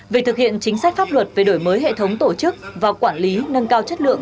về thực hiện chính sách pháp luật về đổi mới hệ thống tổ chức và quản lý nâng cao chất lượng